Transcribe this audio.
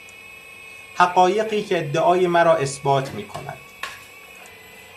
حقایقی که ادعای مرا اثبات میکند